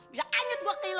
bisa anjut gua ke iler lu